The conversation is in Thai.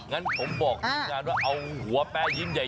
งั้นผมบอกทีมงานว่าเอาหัวแป๊ยิ้มใหญ่